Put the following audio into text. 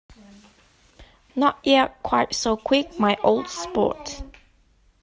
Not yet quite so quick, my old sport.